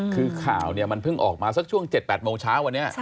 คือข่าวนี้เพิ่งออกมาเชือก๗๘โมงเช้าวันนี้